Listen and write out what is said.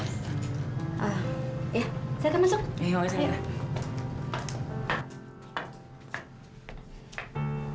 ya saya akan masuk